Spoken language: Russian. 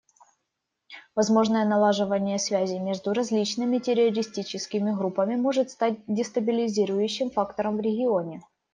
Возможное налаживание связей между различными террористическими группами может стать дестабилизирующим фактором в регионе.